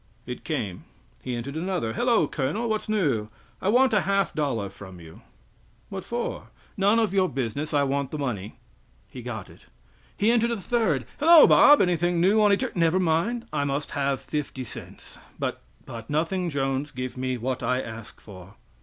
It came. He entered another. "Hello! colonel, what's new?" "I want a half dollar from you!" "What for?" "None of your business I want the money." He got it. He entered a third. "Hello, Bob! Anything new on eter " "Never mind, I must have fifty cents!" "But " "But nothing, Jones, give me what I ask for."